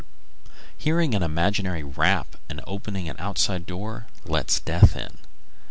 Hearing an imaginary rap and opening an outside door lets death in.